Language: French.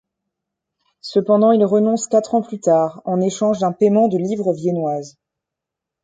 Cependant il renonce quatre ans plus tard en échange d'un paiement de livres viennoises.